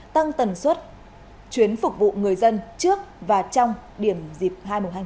tăng tần suất chuyến phục vụ người dân trước và trong điểm dịp hai hai tháng chín